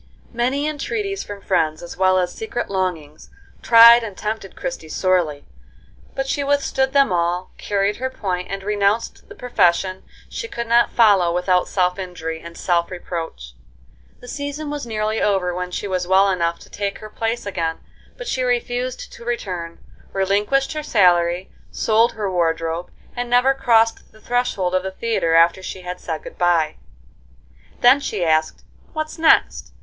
Many entreaties from friends, as well as secret longings, tried and tempted Christie sorely, but she withstood them all, carried her point, and renounced the profession she could not follow without self injury and self reproach. The season was nearly over when she was well enough to take her place again, but she refused to return, relinquished her salary, sold her wardrobe, and never crossed the threshold of the theatre after she had said good bye. Then she asked, "What next?"